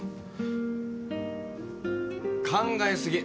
考え過ぎ。